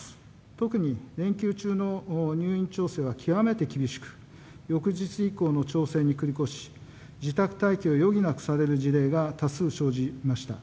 特に連休中の入院調整は極めて厳しく、翌日以降の調整に繰り越し、自宅待機を余儀なくされる事例が多数生じました。